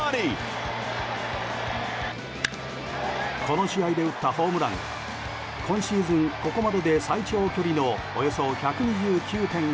この試合で打ったホームランが今シーズン、ここまでで最長距離のおよそ１２９．５ｍ。